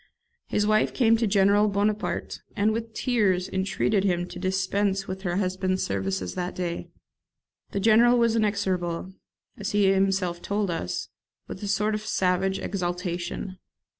His wife came to General Bonaparte, and with tears entreated him to dispense with her husband's services that day. The General was inexorable, as he himself told us, with a sort of savage exaltation.